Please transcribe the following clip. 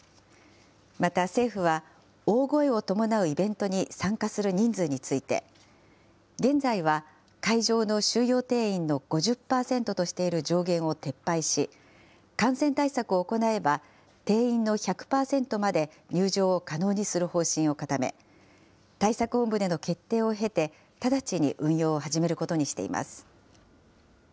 また、政府は大声を伴うイベントに参加する人数について、現在は会場の収容定員の５０％としている上限を撤廃し、感染対策を行えば定員の１００％まで、入場を可能にする方針を固め、対策本部での決定を経て、直ちに運用を始めることにしています。